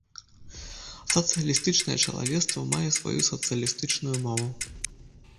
Сацыялістычнае чалавецтва мае і сваю сацыялістычную мову.